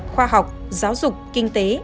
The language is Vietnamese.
khoa học giáo dục kinh tế